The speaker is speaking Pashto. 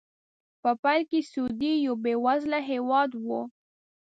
په پیل کې سعودي یو بې وزله هېواد و.